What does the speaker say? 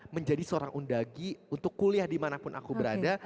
menjadi seorang undagi untuk kuliah dimanapun aku berada